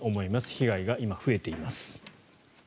被害が今、増えています。